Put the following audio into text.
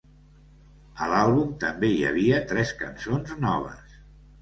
A l'àlbum també hi havia tres cançons noves.